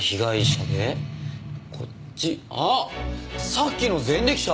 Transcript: さっきの前歴者！